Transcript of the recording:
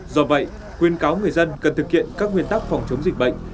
do vậy khuyên cáo người dân cần thực hiện các nguyên tắc phòng chống dịch bệnh